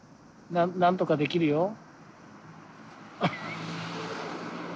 なんとかできるよ。